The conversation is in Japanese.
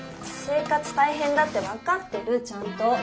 生活大変だって分かってるちゃんと。